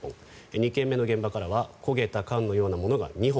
２件目の現場からは焦げた缶のようなものが２本。